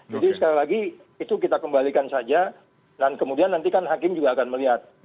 jadi sekali lagi itu kita kembalikan saja dan kemudian nanti kan hakim juga akan melihat